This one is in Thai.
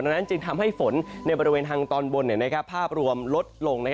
นั้นจึงทำให้ฝนในบริเวณทางตอนบนภาพรวมลดลง